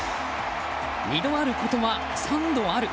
二度あることは三度ある。